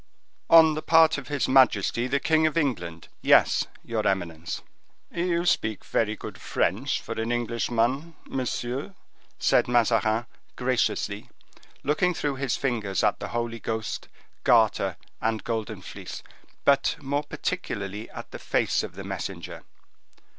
"On the part of his majesty, the king of England, yes, your eminence." "You speak very good French for an Englishman, monsieur," said Mazarin, graciously, looking through his fingers at the Holy Ghost, Garter, and Golden Fleece, but more particularly at the face of the messenger.